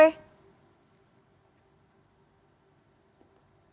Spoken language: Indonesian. bang doli selamat sore